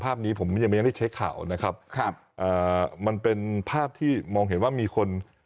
ภาพนี้ผมยังไม่ได้ใช้ข่าวนะครับครับอ่ามันเป็นภาพที่มองเห็นว่ามีคน